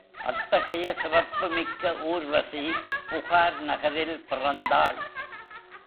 அத்தகைய சிறப்பு மிக்க ஊர்வசி புகார் நகரில் பிறந்தாள்.